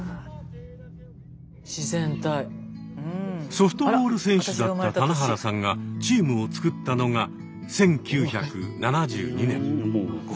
ソフトボール選手だった棚原さんがチームを作ったのが１９７２年。